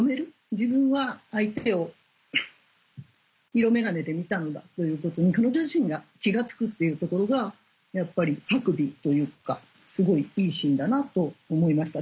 自分は相手を色眼鏡で見たのだということに彼女自身が気が付くっていうところがやっぱり白眉というかすごいいいシーンだなと思いました